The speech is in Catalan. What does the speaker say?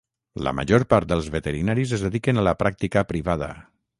La major part dels veterinaris es dediquen a la pràctica privada.